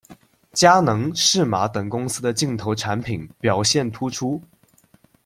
佳能、适马等公司的镜头产品表现突出。